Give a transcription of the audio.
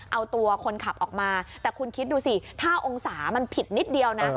เอาตัวคนขับออกมาแต่คุณคิดดูสิ๕องศามันผิดนิดเดียวนะ